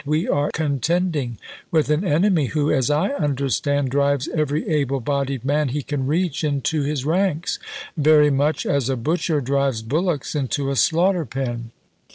We are contending with an enemy who, as I understand, drives every able bodied man he can reach into his ranks, very much as a butcher drives bullocks into a slaughter pen.